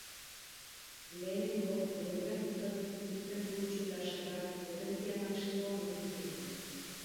Lehenengo, denboran luzatu zituzten pultsu laserrak, potentzia maximoa murrizteko.